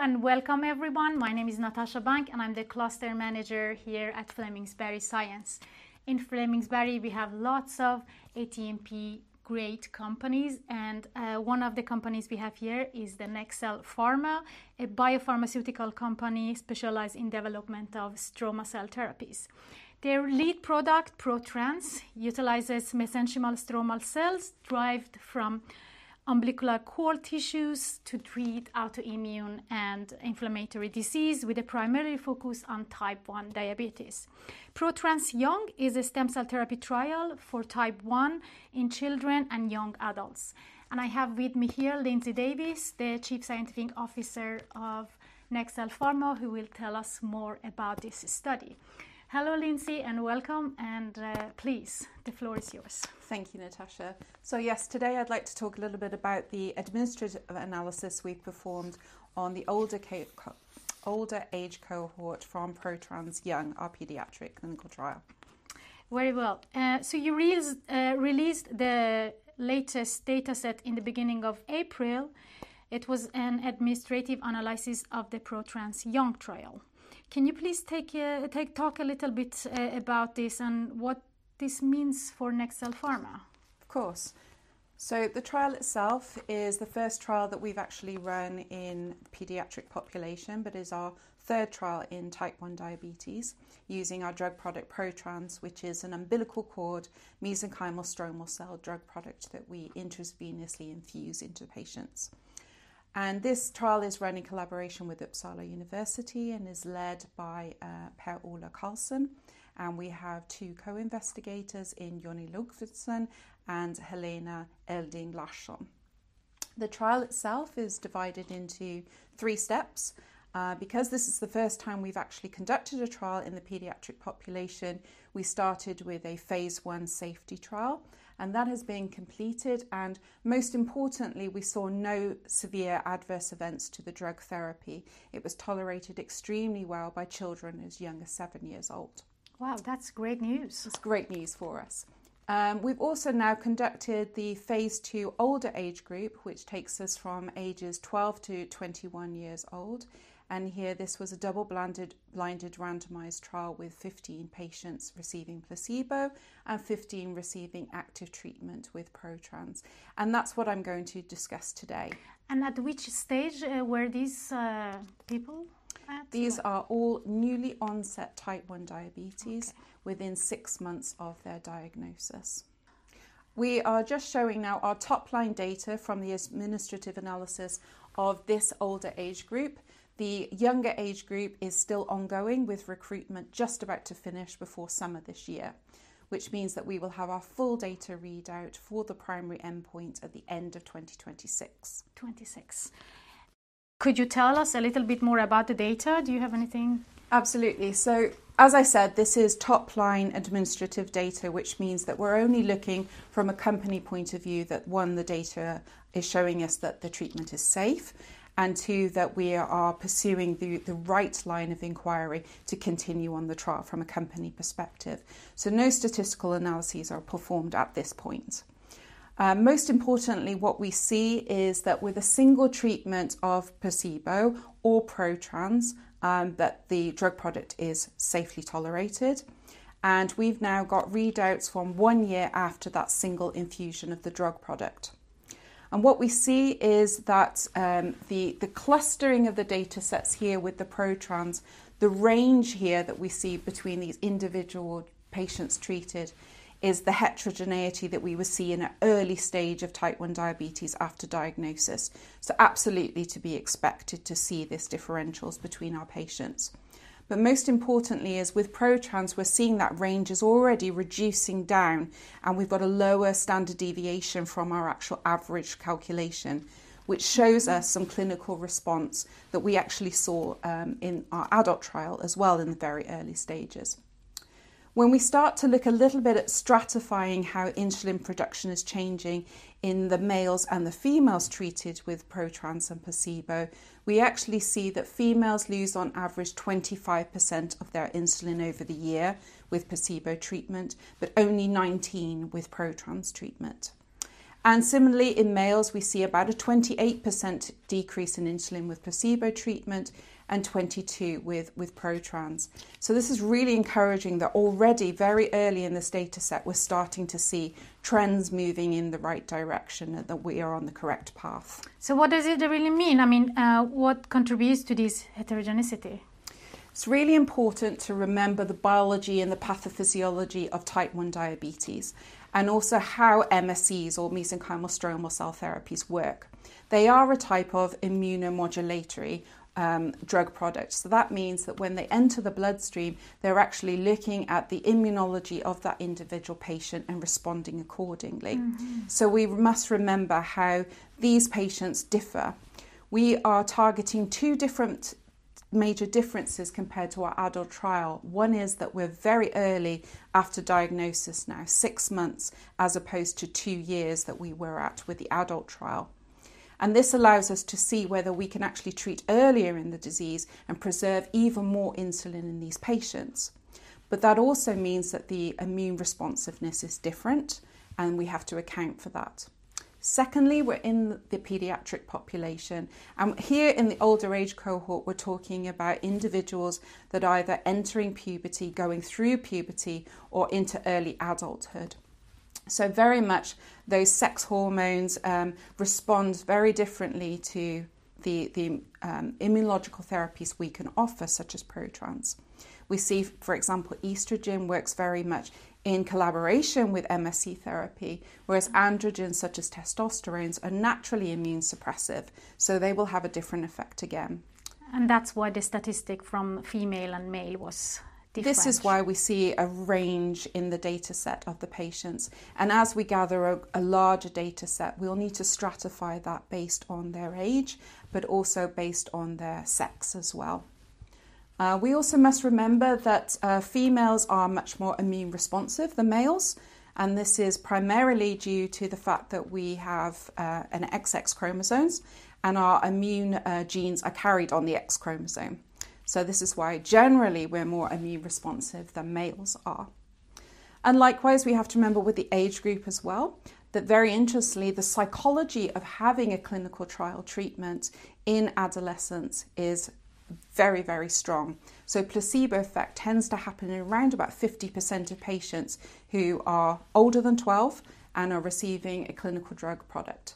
Hello and welcome everyone. My name is Natasha Bank, and I'm the Cluster Manager here at Flemingsberg Science. In Flemingsberg, we have lots of ATMP-grade companies, and one of the companies we have here is NextCell Pharma, a biopharmaceutical company specialized in the development of stromal cell therapies. Their lead product, ProTrans, utilizes mesenchymal stromal cells derived from umbilical cord tissues to treat autoimmune and inflammatory disease, with a primary focus on type 1 diabetes. ProTrans-Young is a stem cell therapy trial for type 1 in children and young adults. I have with me here Lindsay Davies, the Chief Scientific Officer of NextCell Pharma, who will tell us more about this study. Hello Lindsay and welcome, and please, the floor is yours. Thank you, Natasha. Yes, today I'd like to talk a little bit about the administrative analysis we performed on the older age cohort from ProTrans-Young, our pediatric clinical trial. Very well. You released the latest dataset in the beginning of April. It was an administrative analysis of the ProTrans-Young trial. Can you please talk a little bit about this and what this means for NextCell Pharma? Of course. The trial itself is the first trial that we've actually run in the pediatric population, but it is our third trial in type 1 diabetes using our drug product ProTrans, which is an umbilical cord mesenchymal stromal cell drug product that we intravenously infuse into patients. This trial is run in collaboration with Uppsala University and is led by Per-Ola Carlsson, and we have two co-investigators in Jonny Lundkvistsen and Helena Elding Larsson. The trial itself is divided into three steps. Because this is the first time we've actually conducted a trial in the pediatric population, we started with a phase I safety trial, and that has been completed. Most importantly, we saw no severe adverse events to the drug therapy. It was tolerated extremely well by children as young as seven years old. Wow, that's great news. It's great news for us. We've also now conducted the phase II older age group, which takes us from ages 12-21 years old. Here this was a double-blinded randomized trial with 15 patients receiving placebo and 15 receiving active treatment with ProTrans. That's what I'm going to discuss today. At which stage were these people at? These are all newly onset type 1 diabetes within six months of their diagnosis. We are just showing now our top line data from the administrative analysis of this older age group. The younger age group is still ongoing with recruitment just about to finish before summer this year, which means that we will have our full data readout for the primary endpoint at the end of 2026. 2026. Could you tell us a little bit more about the data? Do you have anything? Absolutely. As I said, this is top line administrative data, which means that we're only looking from a company point of view that, one, the data is showing us that the treatment is safe, and two, that we are pursuing the right line of inquiry to continue on the trial from a company perspective. No statistical analyses are performed at this point. Most importantly, what we see is that with a single treatment of placebo or ProTrans, the drug product is safely tolerated. We've now got readouts from one year after that single infusion of the drug product. What we see is that the clustering of the datasets here with the ProTrans, the range here that we see between these individual patients treated is the heterogeneity that we were seeing at early stage of type 1 diabetes after diagnosis. Absolutely to be expected to see these differentials between our patients. Most importantly is with ProTrans, we're seeing that range is already reducing down, and we've got a lower standard deviation from our actual average calculation, which shows us some clinical response that we actually saw in our adult trial as well in the very early stages. When we start to look a little bit at stratifying how insulin production is changing in the males and the females treated with ProTrans and placebo, we actually see that females lose on average 25% of their insulin over the year with placebo treatment, but only 19% with ProTrans treatment. Similarly, in males, we see about a 28% decrease in insulin with placebo treatment and 22% with ProTrans. This is really encouraging that already very early in this dataset, we're starting to see trends moving in the right direction and that we are on the correct path. What does it really mean? I mean, what contributes to this heterogeneity? It's really important to remember the biology and the pathophysiology of type 1 diabetes and also how MSCs or mesenchymal stromal cell therapies work. They are a type of immunomodulatory drug product. That means that when they enter the bloodstream, they're actually looking at the immunology of that individual patient and responding accordingly. We must remember how these patients differ. We are targeting two different major differences compared to our adult trial. One is that we're very early after diagnosis now, six months as opposed to two years that we were at with the adult trial. This allows us to see whether we can actually treat earlier in the disease and preserve even more insulin in these patients. That also means that the immune responsiveness is different, and we have to account for that. Secondly, we're in the pediatric population. Here in the older age cohort, we're talking about individuals that are either entering puberty, going through puberty, or into early adulthood. Very much those sex hormones respond very differently to the immunological therapies we can offer, such as ProTrans. We see, for example, oestrogen works very much in collaboration with MSC therapy, whereas androgens such as testosterones are naturally immune suppressive. They will have a different effect again. That is why the statistic from female and male was different. This is why we see a range in the dataset of the patients. As we gather a larger dataset, we'll need to stratify that based on their age, but also based on their sex as well. We also must remember that females are much more immune responsive than males, and this is primarily due to the fact that we have an XX chromosome, and our immune genes are carried on the X chromosome. This is why generally we're more immune responsive than males are. Likewise, we have to remember with the age group as well, that very interestingly, the psychology of having a clinical trial treatment in adolescence is very, very strong. Placebo effect tends to happen in around about 50% of patients who are older than 12 and are receiving a clinical drug product.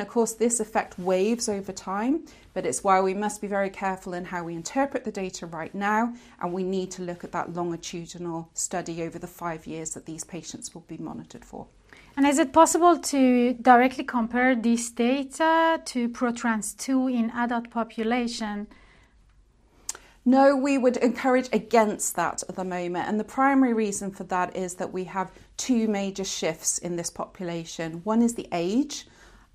Of course, this effect waves over time, but it's why we must be very careful in how we interpret the data right now, and we need to look at that longitudinal study over the five years that these patients will be monitored for. Is it possible to directly compare this data to ProTrans-2 in adult population? No, we would encourage against that at the moment. The primary reason for that is that we have two major shifts in this population. One is the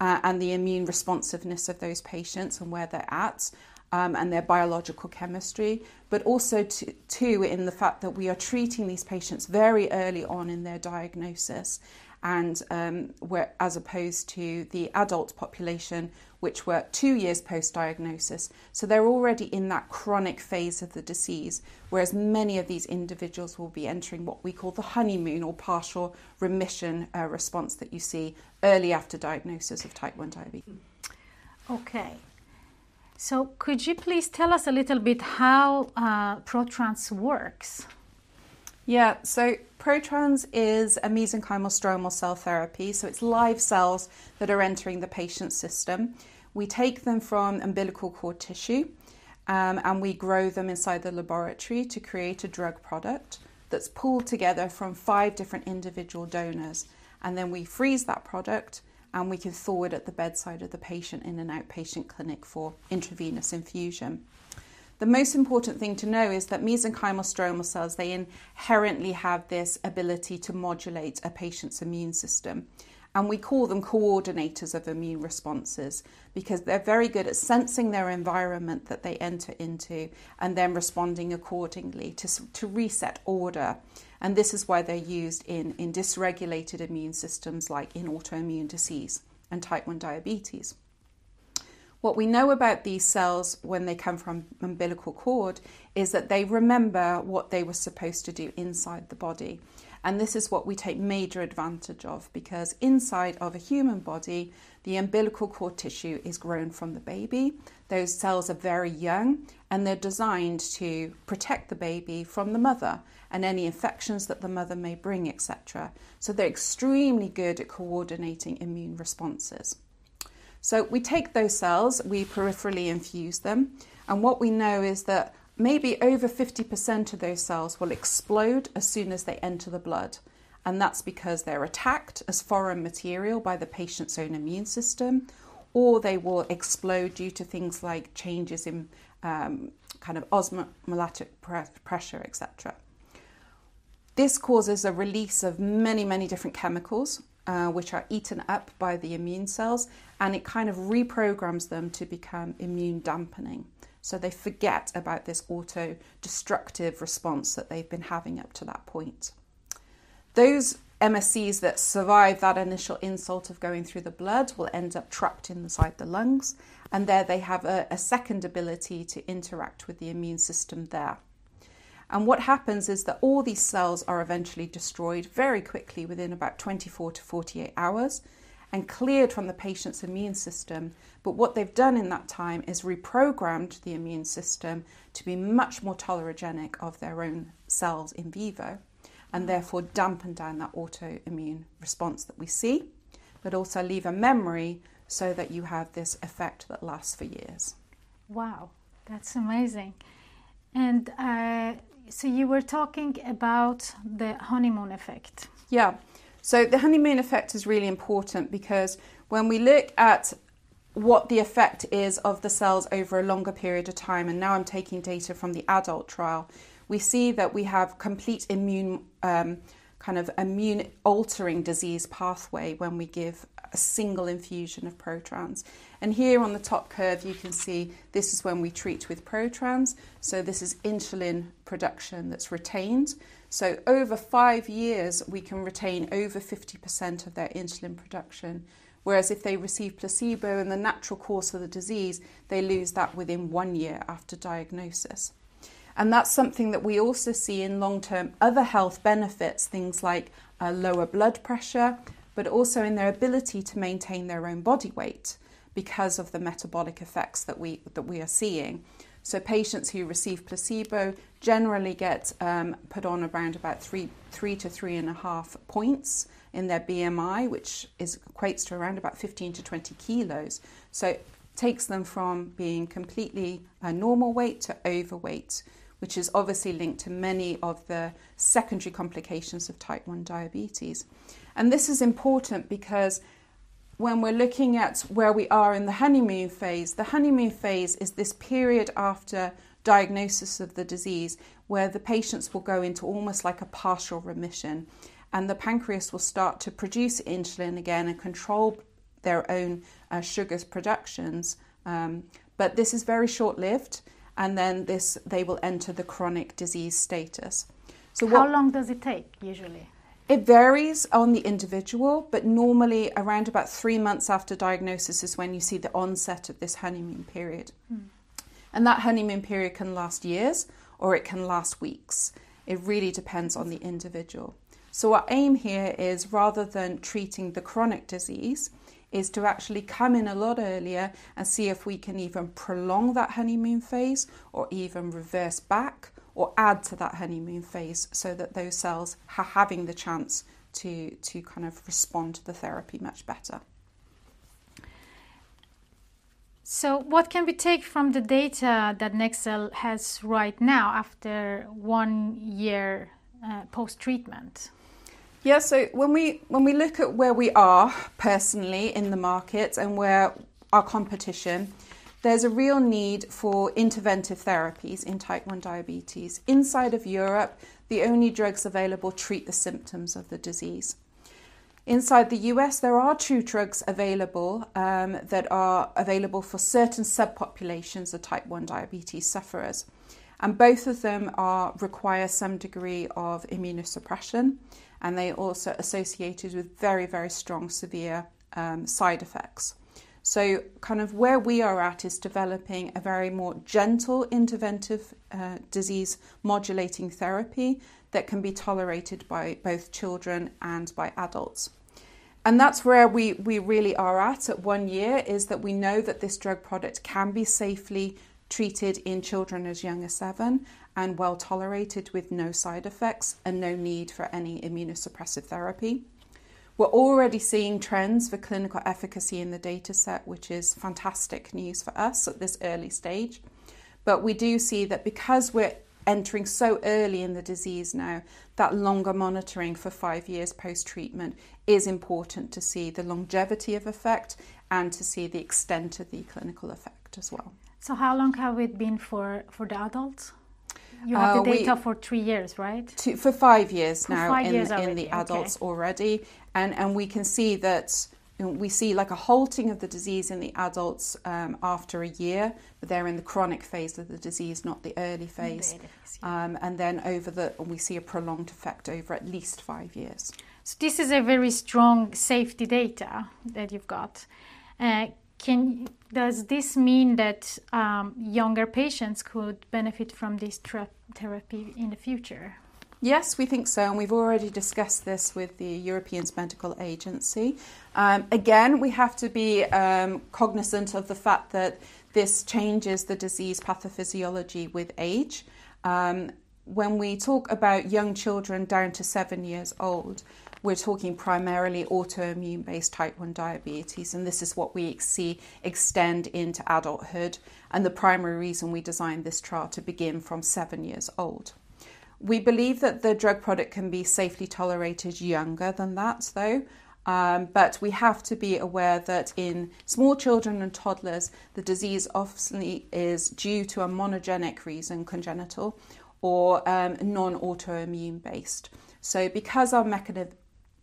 age and the immune responsiveness of those patients and where they're at and their biological chemistry, but also two in the fact that we are treating these patients very early on in their diagnosis, as opposed to the adult population, which were two years post-diagnosis. They are already in that chronic phase of the disease, whereas many of these individuals will be entering what we call the honeymoon or partial remission response that you see early after diagnosis of type 1 diabetes. Okay. Could you please tell us a little bit how ProTrans works? Yeah, so ProTrans is a mesenchymal stromal cell therapy. It's live cells that are entering the patient's system. We take them from umbilical cord tissue, and we grow them inside the laboratory to create a drug product that's pulled together from five different individual donors. We freeze that product, and we can thaw it at the bedside of the patient in an outpatient clinic for intravenous infusion. The most important thing to know is that mesenchymal stromal cells, they inherently have this ability to modulate a patient's immune system. We call them coordinators of immune responses because they're very good at sensing their environment that they enter into and then responding accordingly to reset order. This is why they're used in dysregulated immune systems like in autoimmune disease and type 1 diabetes. What we know about these cells when they come from umbilical cord is that they remember what they were supposed to do inside the body. This is what we take major advantage of because inside of a human body, the umbilical cord tissue is grown from the baby. Those cells are very young, and they're designed to protect the baby from the mother and any infections that the mother may bring, et cetera. They're extremely good at coordinating immune responses. We take those cells, we peripherally infuse them, and what we know is that maybe over 50% of those cells will explode as soon as they enter the blood. That's because they're attacked as foreign material by the patient's own immune system, or they will explode due to things like changes in kind of osmolatic pressure, et cetera. This causes a release of many, many different chemicals, which are eaten up by the immune cells, and it kind of reprograms them to become immune dampening. They forget about this autodestructive response that they've been having up to that point. Those MSCs that survive that initial insult of going through the blood will end up trapped inside the lungs, and there they have a second ability to interact with the immune system there. What happens is that all these cells are eventually destroyed very quickly within about 24-48 hours and cleared from the patient's immune system. What they've done in that time is reprogrammed the immune system to be much more tolerogenic of their own cells in vivo, and therefore dampen down that autoimmune response that we see, but also leave a memory so that you have this effect that lasts for years. Wow, that's amazing. You were talking about the honeymoon effect. Yeah. The honeymoon effect is really important because when we look at what the effect is of the cells over a longer period of time, and now I'm taking data from the adult trial, we see that we have complete immune kind of immune altering disease pathway when we give a single infusion of ProTrans. Here on the top curve, you can see this is when we treat with ProTrans. This is insulin production that's retained. Over five years, we can retain over 50% of their insulin production, whereas if they receive placebo in the natural course of the disease, they lose that within one year after diagnosis. That's something that we also see in long-term other health benefits, things like lower blood pressure, but also in their ability to maintain their own body weight because of the metabolic effects that we are seeing. Patients who receive placebo generally get put on around about three to three and a half points in their BMI, which equates to around about 15 kg-20 kg. It takes them from being completely normal weight to overweight, which is obviously linked to many of the secondary complications of type 1 diabetes. This is important because when we're looking at where we are in the honeymoon phase, the honeymoon phase is this period after diagnosis of the disease where the patients will go into almost like a partial remission, and the pancreas will start to produce insulin again and control their own sugars productions. This is very short-lived, and then they will enter the chronic disease status. How long does it take usually? It varies on the individual, but normally around about three months after diagnosis is when you see the onset of this honeymoon period. That honeymoon period can last years or it can last weeks. It really depends on the individual. Our aim here is rather than treating the chronic disease is to actually come in a lot earlier and see if we can even prolong that honeymoon phase or even reverse back or add to that honeymoon phase so that those cells are having the chance to kind of respond to the therapy much better. What can we take from the data that NextCell has right now after one year post-treatment? Yeah, so when we look at where we are personally in the markets and where our competition, there's a real need for interventive therapies in type 1 diabetes. Inside of Europe, the only drugs available treat the symptoms of the disease. Inside the U.S., there are two drugs available that are available for certain subpopulations of type 1 diabetes sufferers. Both of them require some degree of immunosuppression, and they are also associated with very, very strong severe side effects. Kind of where we are at is developing a very more gentle interventive disease modulating therapy that can be tolerated by both children and by adults. That's where we really are at at one year is that we know that this drug product can be safely treated in children as young as seven and well tolerated with no side effects and no need for any immunosuppressive therapy. We're already seeing trends for clinical efficacy in the dataset, which is fantastic news for us at this early stage. We do see that because we're entering so early in the disease now, that longer monitoring for five years post-treatment is important to see the longevity of effect and to see the extent of the clinical effect as well. How long have we been for the adults? You have the data for three years, right? For five years now in the adults already. We can see that we see like a halting of the disease in the adults after a year. They're in the chronic phase of the disease, not the early phase. We see a prolonged effect over at least five years. This is a very strong safety data that you've got. Does this mean that younger patients could benefit from this therapy in the future? Yes, we think so. We've already discussed this with the European Medicines Agency. We have to be cognizant of the fact that this changes the disease pathophysiology with age. When we talk about young children down to seven years old, we're talking primarily autoimmune-based type 1 diabetes, and this is what we see extend into adulthood. The primary reason we designed this trial to begin from seven years old. We believe that the drug product can be safely tolerated younger than that, though. We have to be aware that in small children and toddlers, the disease often is due to a monogenic reason, congenital or non-autoimmune based. Because our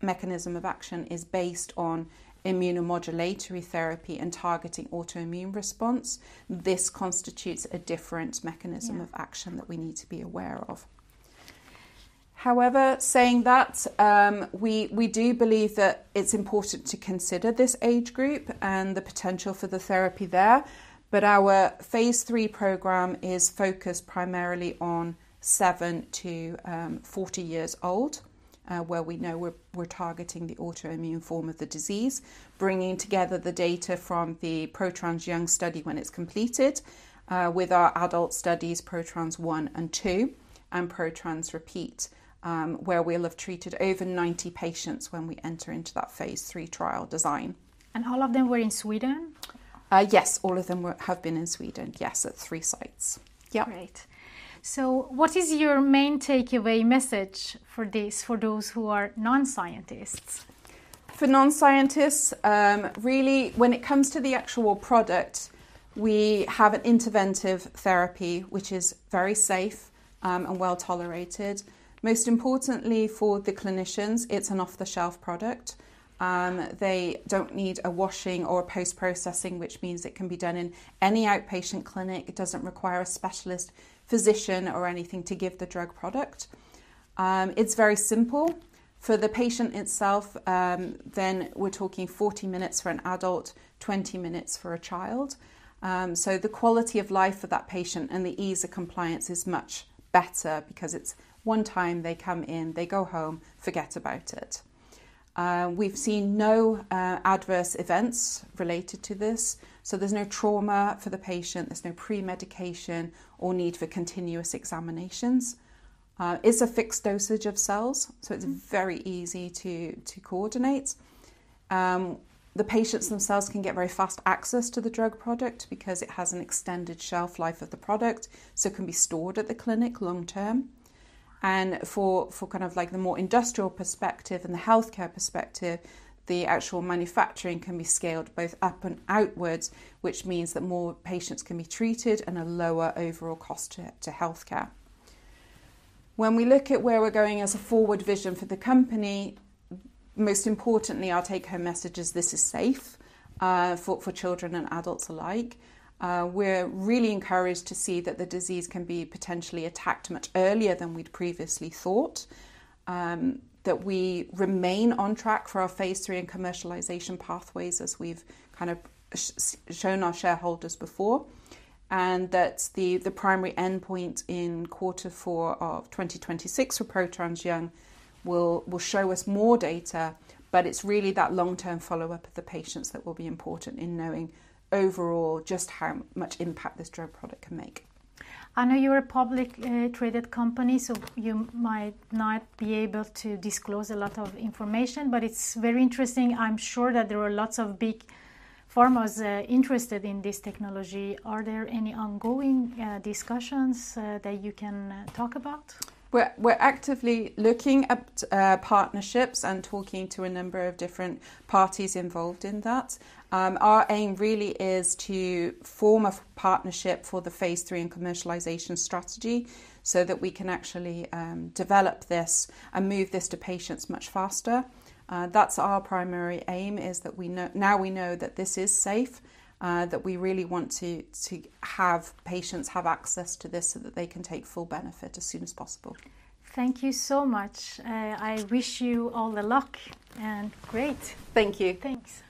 mechanism of action is based on immunomodulatory therapy and targeting autoimmune response, this constitutes a different mechanism of action that we need to be aware of. However, saying that, we do believe that it's important to consider this age group and the potential for the therapy there. Our phase III program is focused primarily on seven to 40 years old, where we know we're targeting the autoimmune form of the disease, bringing together the data from the ProTrans-Young study when it's completed with our adult studies, ProTrans-1 and 2 and ProTrans-Repeat, where we'll have treated over 90 patients when we enter into that phase III trial design. All of them were in Sweden? Yes, all of them have been in Sweden. Yes, at three sites. Yeah. Great. What is your main takeaway message for those who are non-scientists? For non-scientists, really, when it comes to the actual product, we have an interventive therapy, which is very safe and well tolerated. Most importantly for the clinicians, it's an off-the-shelf product. They don't need a washing or a post-processing, which means it can be done in any outpatient clinic. It doesn't require a specialist physician or anything to give the drug product. It's very simple. For the patient itself, then we're talking 40 minutes for an adult, 20 minutes for a child. The quality of life for that patient and the ease of compliance is much better because it's one time they come in, they go home, forget about it. We've seen no adverse events related to this. There's no trauma for the patient. There's no pre-medication or need for continuous examinations. It's a fixed dosage of cells, so it's very easy to coordinate. The patients themselves can get very fast access to the drug product because it has an extended shelf life of the product, so it can be stored at the clinic long term. For kind of like the more industrial perspective and the healthcare perspective, the actual manufacturing can be scaled both up and outwards, which means that more patients can be treated and a lower overall cost to healthcare. When we look at where we're going as a forward vision for the company, most importantly, our take-home message is this is safe for children and adults alike. We're really encouraged to see that the disease can be potentially attacked much earlier than we'd previously thought, that we remain on track for our phase III and commercialization pathways as we've kind of shown our shareholders before, and that the primary endpoint in quarter four of 2026 for ProTrans-Young will show us more data. It is really that long-term follow-up of the patients that will be important in knowing overall just how much impact this drug product can make. I know you're a public traded company, so you might not be able to disclose a lot of information, but it's very interesting. I'm sure that there are lots of big pharmas interested in this technology. Are there any ongoing discussions that you can talk about? We're actively looking at partnerships and talking to a number of different parties involved in that. Our aim really is to form a partnership for the phase III and commercialization strategy so that we can actually develop this and move this to patients much faster. That's our primary aim is that now we know that this is safe, that we really want to have patients have access to this so that they can take full benefit as soon as possible. Thank you so much. I wish you all the luck and great. Thank you. Thanks.